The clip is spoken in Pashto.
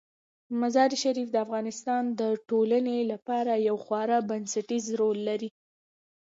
مزارشریف د افغانستان د ټولنې لپاره یو خورا بنسټيز رول لري.